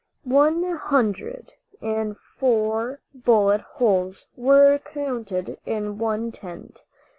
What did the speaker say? One hundred and four bullet holes were counted in one tent.